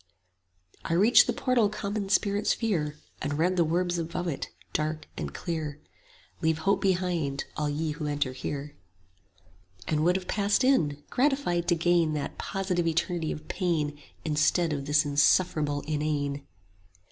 I reached the portal common spirits fear, And read the words above it, dark yet clear, 20 "Leave hope behind, all ye who enter here:" And would have passed in, gratified to gain That positive eternity of pain Instead of this insufferable inane.